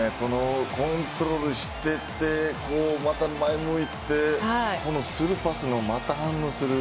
コントロールしていってまた前を向いてスルーパスにまた反応する。